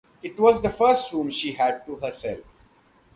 It was the first room she had to herself.